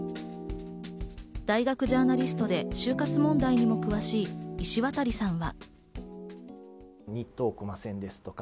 大学ジャーナリストで就活問題の詳しい石渡さんは。